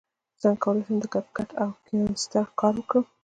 څنګه کولی شم د کپ کټ او کینوسټر کار وکړم